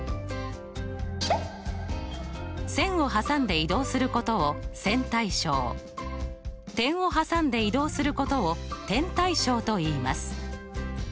線を挟んで移動することを線対称点を挟んで移動することを点対称といいます。